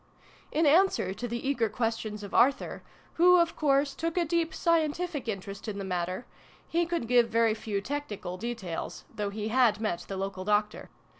In answer to the eager questions of Arthur who of course took a deep scientific interest vin] IN A SHADY PLACE. 127 in the matter he could give very few technical details, though he had met the local doctor.